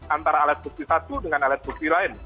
antara alat bukti satu dengan alat bukti lain